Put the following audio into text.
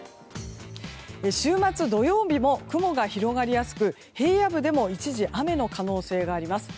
週末、土曜日も雲が広がりやすく平野部でも一時、雨の可能性があります。